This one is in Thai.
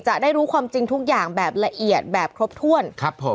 จะได้รู้ความจริงทุกอย่างแบบละเอียดแบบครบถ้วนครับผม